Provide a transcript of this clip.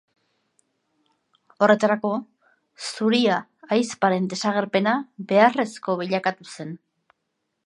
Horretarako, Zuria ahizparen desagerpena beharrezko bilakatu zen.